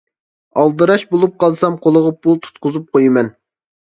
ئالدىراش بولۇپ قالسام، قولىغا پۇل تۇتقۇزۇپ قويىمەن.